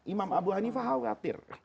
imam abu hanifah khawatir